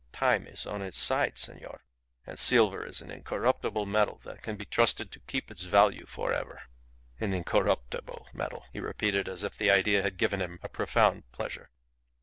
Time is on its side, senor. And silver is an incorruptible metal that can be trusted to keep its value for ever. ... An incorruptible metal," he repeated, as if the idea had given him a profound pleasure.